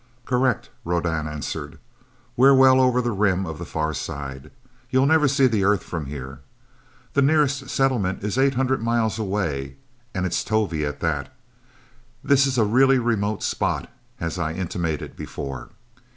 "Correct," Rodan answered. "We're well over the rim of the Far Side. You'll never see the Earth from here. The nearest settlement is eight hundred miles away, and it's Tovie at that. This is a really remote spot, as I intimated before."